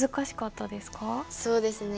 そうですね